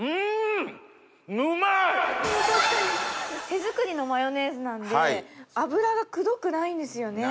手作りのマヨネーズなんで油がくどくないんですよね。